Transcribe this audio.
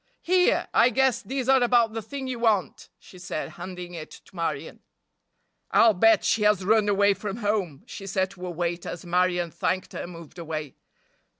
"Here, I guess these are about the thing you want," she said, handing it to Marion. "I'll bet she has run away from home," she said to a waiter, as Marion thanked her and moved away.